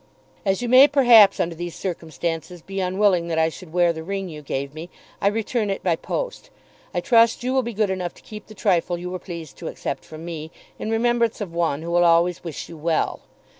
As you may perhaps under these circumstances be unwilling that I should wear the ring you gave me, I return it by post. I trust you will be good enough to keep the trifle you were pleased to accept from me, in remembrance of one who will always wish you well.